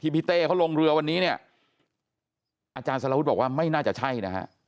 พี่เต้เขาลงเรือวันนี้เนี่ยอาจารย์สารวุฒิบอกว่าไม่น่าจะใช่นะฮะ